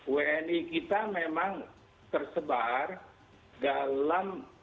wni kita memang tersebar dalam